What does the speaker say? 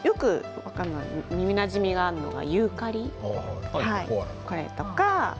耳なじみあるのがユーカリですね。